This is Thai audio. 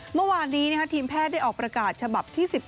เมื่อวานนี้ทีมแพทย์ได้ออกประกาศฉบับที่๑๗